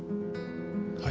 はい。